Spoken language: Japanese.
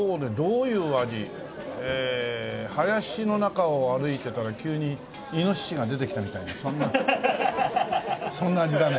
ええ林の中を歩いてたら急にイノシシが出てきたみたいなそんなそんな味だね。